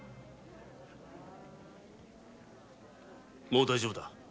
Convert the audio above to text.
もう大丈夫だ。